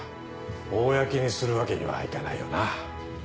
公にするわけにはいかないよな。